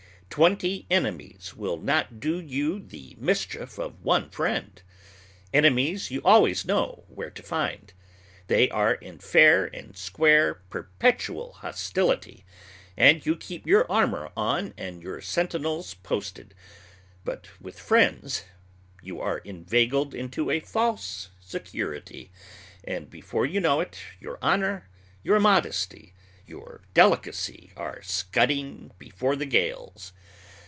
Twenty enemies will not do you the mischief of one friend. Enemies you always know where to find. They are in fair and square perpetual hostility, and you keep your armor on and your sentinels posted; but with friends you are inveigled into a false security, and, before you know it, your honor, your modesty, your delicacy are scudding before the gales.